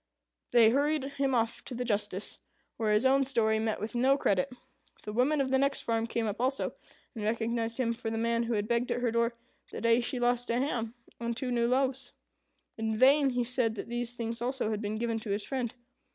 They hurried him off to the justice, where his own story met with no credit. The woman of the next farm came up also, and recognized him for the man who had begged at her door the day she lost a ham and two new loaves. In vain he said that these things also had been given to his friend.